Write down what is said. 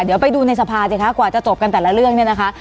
เดี๋ยวไปดูในสภาสิคะกว่าจะจบกันแต่ละเรื่องเนี่ยนะคะ